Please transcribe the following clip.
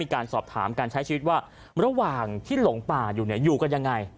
การใช้ชีวิตว่าระหว่างที่หลงป่าอยู่อยู่กันยังไง